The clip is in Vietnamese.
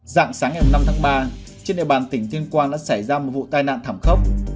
dạng sáng ngày năm tháng ba trên địa bàn tỉnh tuyên quang đã xảy ra một vụ tai nạn thảm khốc